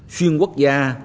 xuyên quốc gia